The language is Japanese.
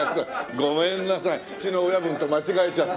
ごめんなさいうちの親分と間違えちゃって。